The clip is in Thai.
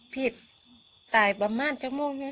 พี่ตุ๊กพี่หมูผ่าเจ้าของมา